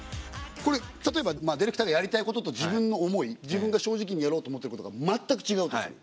例えばディレクターがやりたいことと自分の思い自分が正直にやろうと思ってることが全く違うとする。